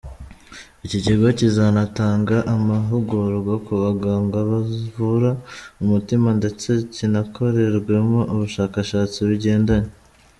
Iki kigo kizanatanga amahugurwa ku baganga bavura umutima ndetse kinakorerwemo ubushakashatsi bigendanye”.